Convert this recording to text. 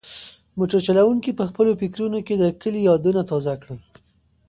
موټر چلونکي په خپلو فکرونو کې د کلي یادونه تازه کړل.